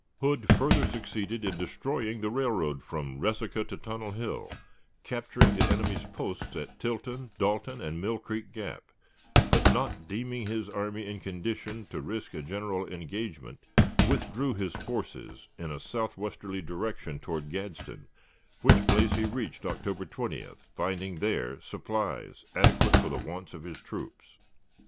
Hood further succeeded in destroying the railroad from Resaca to Tunnel Hill, capturing the enemy's posts at Tilton, Dalton, and Mill Creek Gap; but, not deeming his army in condition to risk a general engagement, withdrew his forces in a southwesterly direction toward Gadsden, which place he reached October 20th, finding there supplies adequate for the wants of his troops.